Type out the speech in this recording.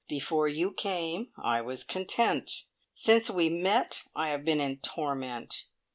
Before you came I was content. Since we met, I have been in torment.